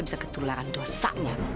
bisa ketularan dosanya